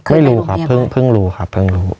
ไม่รู้ครับเพิ่งรู้ครับเพิ่งรู้